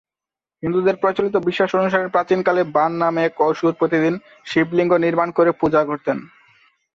হিন্দুদের প্রচলিত বিশ্বাস অনুসারে, প্রাচীনকালে বাণ নামে এক অসুর প্রতিদিন শিবলিঙ্গ নির্মাণ করে পূজা করতেন।